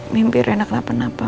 mimpi rena kenapa kenapa